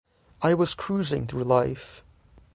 I was cruising through life.